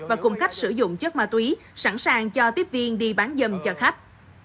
và cùng cách sử dụng chất ma túy sẵn sàng cho tiếp viên đi bán dâm cho khách